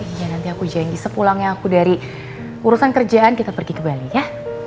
iya nanti aku janji sepulangnya aku dari urusan kerjaan kita pergi ke bali ya